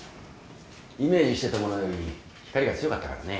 イメージしてたものより光が強かったからね。